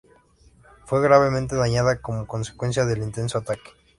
Fue gravemente dañada como consecuencia del intenso ataque.